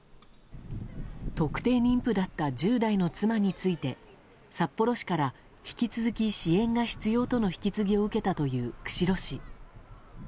特定妊婦だった１０代の妻について札幌市から引き続き支援が必要との引き継ぎを受けたという釧路市。